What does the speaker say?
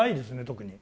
特に。